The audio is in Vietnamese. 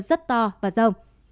rất to và rồng